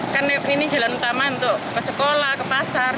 kan ini jalan utama untuk ke sekolah ke pasar